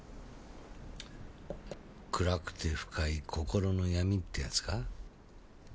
暗くて深い心の闇ってやつか？